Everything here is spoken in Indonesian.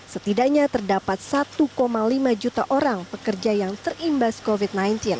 setidaknya terdapat satu lima juta orang pekerja yang terimbas covid sembilan belas